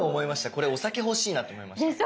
これお酒欲しいなって思いました。